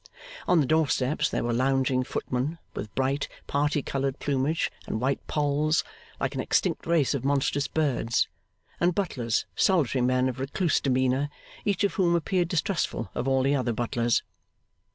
On the doorsteps there were lounging footmen with bright parti coloured plumage and white polls, like an extinct race of monstrous birds; and butlers, solitary men of recluse demeanour, each of whom appeared distrustful of all other butlers.